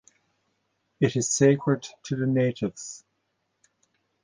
It is sacred to the Natives.